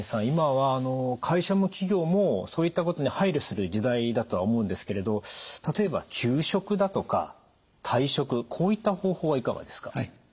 今は会社も企業もそういったことに配慮する時代だとは思うんですけれど例えば休職だとか退職こういった方法はいかがですか？